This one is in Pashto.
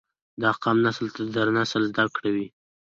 دا قام نسل در نسل زده کړي وي